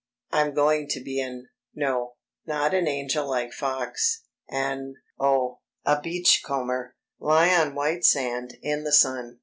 I'm going to be an ... no, not an angel like Fox ... an ... oh, a beachcomber. Lie on white sand, in the sun